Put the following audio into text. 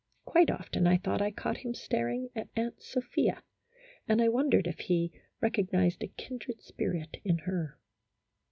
Quite often, I thought I caught him staring at Aunt Sophia, and I wondered if he recognized a kindred spirit in her.